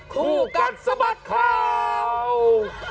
คู่กันสมัครข่าว